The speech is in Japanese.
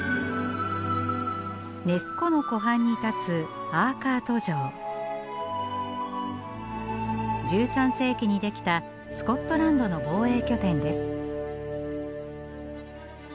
ネス湖の湖畔に立つ１３世紀に出来たスコットランドの防衛拠点です。